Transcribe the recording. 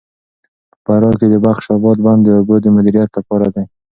په فراه کې د بخش اباد بند د اوبو د مدیریت لپاره دی.